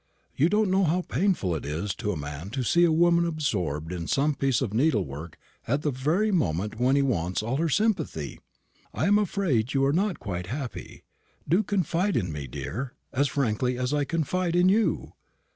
"You don't know how painful it is to a man to see a woman absorbed in some piece of needlework at the very moment when he wants all her sympathy. I am afraid you are not quite happy. Do confide in me, dear, as frankly as I confide in you.